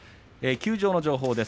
休場の情報です。